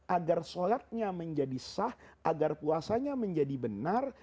agar sholatnya menjadi sah agar puasanya menjadi benar